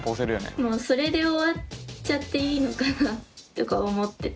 もうそれで終わっちゃっていいのかなとか思ってて私は。